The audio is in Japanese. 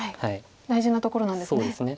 大事なところなんですね。